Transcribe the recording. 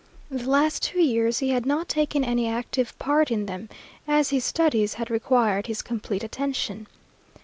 The last two years he had not taken an active part in them, as his studies had required his complete attention.